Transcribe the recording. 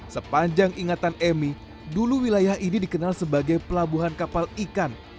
sepanjang ingatan emi dulu wilayah ini dikenal sebagai pelabuhan kapal ikan